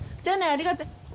ありがとう。